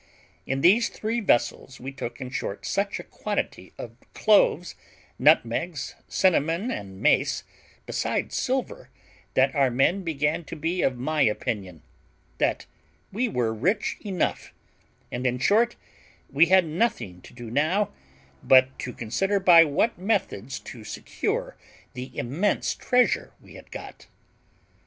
In these three vessels we took, in short, such a quantity of cloves, nutmegs, cinnamon, and mace, besides silver, that our men began to be of my opinion, that we were rich enough; and, in short, we had nothing to do now but to consider by what methods to secure the immense treasure we had got.